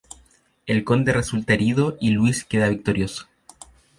El conde resulta herido y Luis queda victorioso.